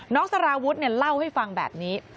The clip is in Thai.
น้องสารวุฒิเนี่ยเล่าให้ฟังแบบนี้